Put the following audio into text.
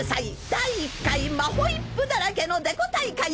第１回マホイップだらけのデコ大会！